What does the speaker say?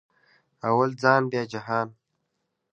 اول ځان بیا جهان